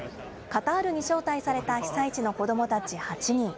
カタールに招待された被災地の子どもたち８人。